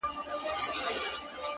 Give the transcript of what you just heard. زما کور ته چي راسي زه پر کور يمه-